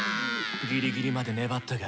ギリギリまで粘ったが。